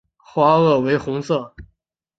花萼为红色。